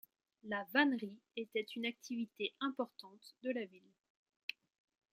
La vannerie était une activité importante de la ville.